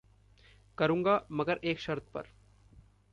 करूँगा, मगर एक शर्त पर।